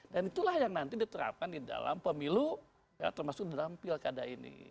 dan itulah yang nanti diterapkan di dalam pemilu termasuk dalam pil kada ini